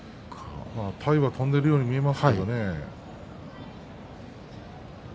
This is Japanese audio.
体は飛んでいるように見えますがね。